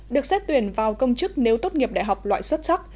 được xét tuyển vào công chức nếu tốt nghiệp đại học loại xuất sắc